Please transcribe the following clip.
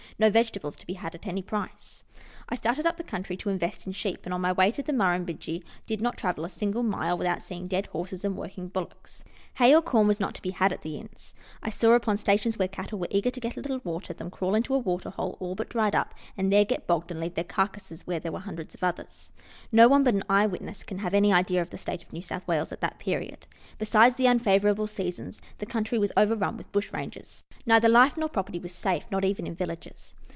No vegetables to be had at any price. I started up the country to invest in sheep, and on my way to the Murrumbidgee did not travel a single mile without seeing dead horses and working bullocks. Hay or corn was not to be had at the inns. I saw, upon stations where cattle were eager to get a little water, them crawl to a waterhole all but dried up, and there get bogged, and leave their carcases where there Avere hundreds of others. No one but an eye witness can have any idea of the state of New South Wales at that period. Besides the unfavourable seasons, the country was overrun with bushrangers. Neither life nor property was safe, not even in vil lages.